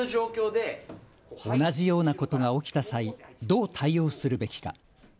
同じようなことが起きた際、どう対応するべきか。